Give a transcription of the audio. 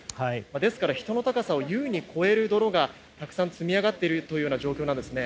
ですから人の高さを優に超える泥がたくさん積み上がっている状況なんです。